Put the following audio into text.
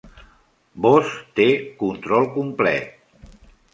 Vós té control complet.